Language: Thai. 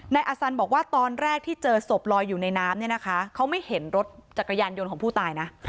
นายอสันบอกว่าตอนแรกที่เจอศพลอยอยู่ในน้ำเนี่ยนะคะเขาไม่เห็นรถจักรยานยนต์ของผู้ตายนะ